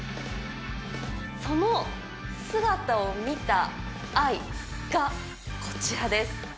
その姿を見たアイがこちらです。